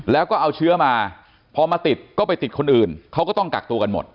แล้วก็เอาเชื้อมาพอมาติดก็ไปติดคนอื่นเขาก็ต้องกักตัวกันหมด